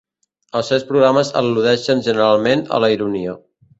Els seus programes al·ludeixen generalment a la ironia.